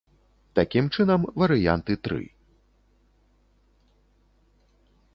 Такім чынам, варыянты тры.